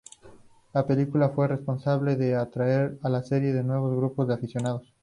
La película fue responsable de atraer a la serie un nuevo grupo de aficionados.